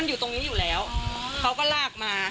อยู่ตรงนี้อยู่แล้วเขาก็ลากมา